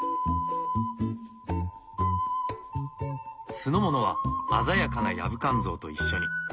酢の物は鮮やかなヤブカンゾウと一緒に。